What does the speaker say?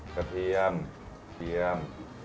กะเทียมเกลียม